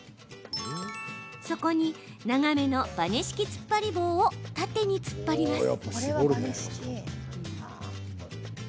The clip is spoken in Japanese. そこに長めのバネ式つっぱり棒を縦に突っ張ります。